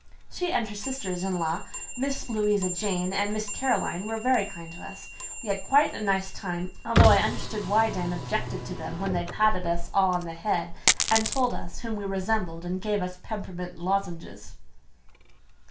She and her sisters in law, Miss Louisa Jane and Miss Caroline, were very kind to us. We had quite a nice time, although I understood why Dan objected to them when they patted us all on the head and told us whom we resembled and gave us peppermint lozenges.